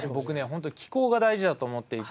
本当に気候が大事だと思っていて。